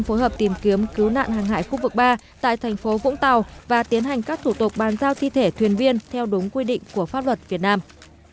phối hợp tìm kiếm cứu nạn hàng hải khu vực ba tại thành phố vũng tàu và tiến hành các thủ tục bàn giao thi thể thuyền viên theo đúng quy định của pháp luật việt nam